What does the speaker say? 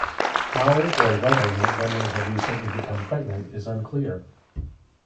How or whether Montgomery had recently become pregnant is unclear.